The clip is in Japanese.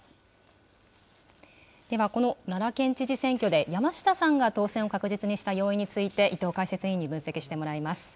では、この奈良県知事選挙で山下さんが当選を確実にした要因について、伊藤解説委員に分析してもらいます。